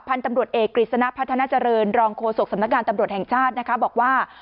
พันธุ์ตำรวจเอกฤษณะพัฒนาเจริญรองโครศกษำนักงานตำรวจแห่งชาติบอกว่า